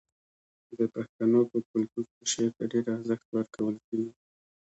د پښتنو په کلتور کې شعر ته ډیر ارزښت ورکول کیږي.